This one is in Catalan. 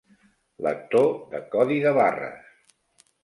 Lector de codi de barres.